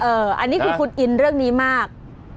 เอออันนี้คุณคุ้นอินเรื่องนี้มาก